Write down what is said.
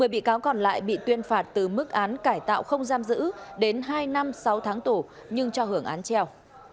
một mươi bị cáo còn lại bị tuyên phạt từ mức án cải tạo không giam giữ đến hai năm sáu tháng tù nhưng cho hưởng án treo